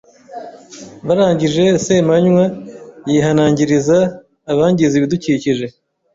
Barangije, Semanywa yihanangiriza abangiza ibidukikije.